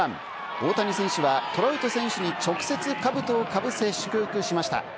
大谷選手はトラウト選手に直接、兜をかぶせ祝福しました。